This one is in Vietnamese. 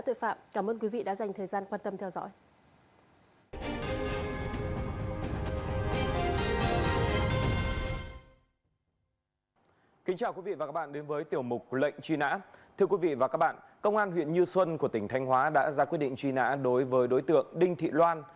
thưa quý vị và các bạn công an huyện như xuân của tỉnh thanh hóa đã ra quyết định truy nã đối với đối tượng đinh thị loan